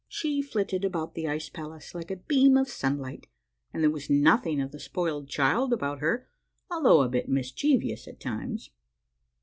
She flitted about the ice palace like a beam of sun light, and there was nothing of the spoiled child about her, although a bit mischievous at times.